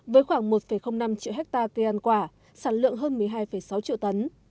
với khoảng một năm triệu hectare cây ăn quả sản lượng hơn một mươi hai sáu triệu tấn